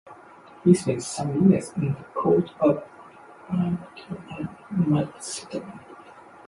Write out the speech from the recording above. He spent some years in the court of Archelaus I of Macedon.